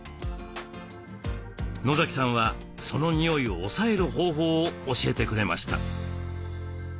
野さんはその臭いを抑える方法を教えてくれました。